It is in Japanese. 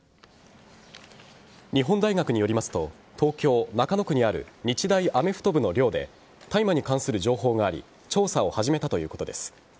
日本大学によりますと東京・中野区にある日大アメフト部の寮で大麻に関する情報があり調査を始めたということです。